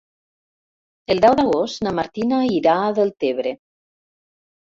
El deu d'agost na Martina irà a Deltebre.